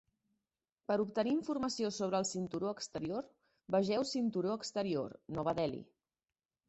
Per obtenir informació sobre el cinturó exterior, vegeu Cinturó exterior, Nova Delhi.